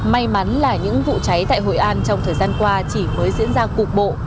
may mắn là những vụ cháy tại hội an trong thời gian qua chỉ mới diễn ra cục bộ